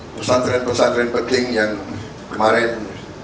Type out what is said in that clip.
pesantren pesantren penting yang kemarin